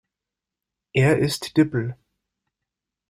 Er ist dipl.